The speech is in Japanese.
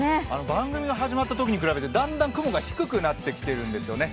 番組が始まったときに比べて、だんだん雲が低くなってきているんですよね。